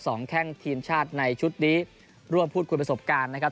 แข้งทีมชาติในชุดนี้ร่วมพูดคุยประสบการณ์นะครับ